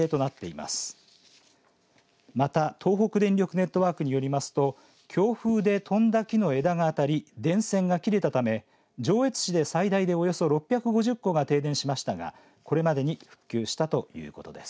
また、東北電力ネットワークによりますと強風で飛んだ木の枝が当たり電線が切れたため上越市で最大でおよそ６５０戸が停電しましたがこれまでに復旧したということです。